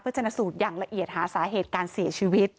ชนะสูตรอย่างละเอียดหาสาเหตุการเสียชีวิต